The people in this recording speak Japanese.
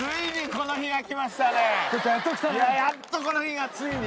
やっとこの日がついに。